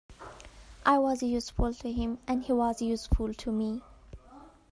I was useful to him, and he was useful to me.